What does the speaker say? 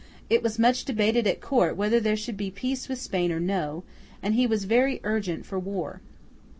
It was much debated at Court whether there should be peace with Spain or no, and he was very urgent for war.